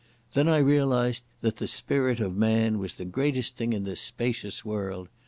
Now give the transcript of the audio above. Then I realised that the spirit of man was the greatest thing in this spacious world....